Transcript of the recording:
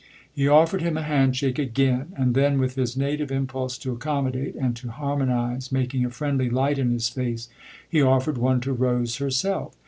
He offered him a hand shake again, and then, with his native impulse to accommodate and to harmonise making a friendly light in his face, he offered one to Rose herself.